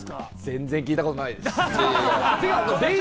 全然聞いたことない。